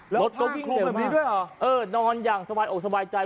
แล้วทางคลุมแบบนี้ด้วยเหรอรถก็วิ่งเร็วมากเออนอนอย่างสบายอกสบายใจ